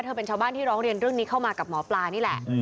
เป็นชาวบ้านที่ร้องเรียนเรื่องนี้เข้ามากับหมอปลานี่แหละ